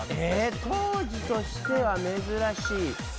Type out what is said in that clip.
当時としては珍しい。